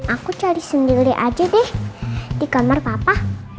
aku cari sendiri aja deh di kamar papa